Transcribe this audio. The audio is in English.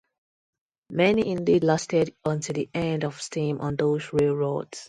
Many indeed lasted until the end of steam on those railroads.